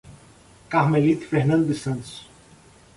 Carmelito Fernandes dos Santos